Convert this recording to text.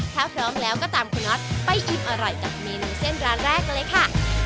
ถ้าพร้อมแล้วก็ตามคุณน็อตไปอิ่มอร่อยกับเมนูเส้นร้านแรกกันเลยค่ะ